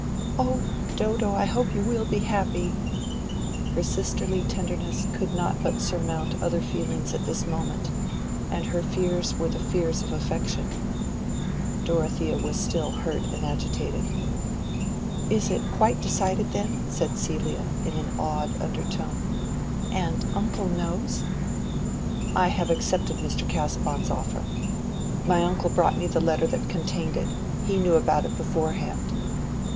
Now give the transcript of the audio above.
"Oh, Dodo, I hope you will be happy." Her sisterly tenderness could not but surmount other feelings at this moment, and her fears were the fears of affection. Dorothea was still hurt and agitated. "It is quite decided, then?" said Celia, in an awed under tone. "And uncle knows?" "I have accepted Mr. Casaubon's offer. My uncle brought me the letter that contained it; he knew about it beforehand."